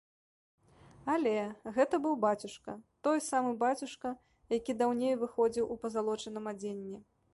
Але, гэта быў бацюшка, той самы бацюшка, які даўней выходзіў у пазалочаным адзенні.